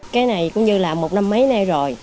cái này cũng như là một năm mấy nay rồi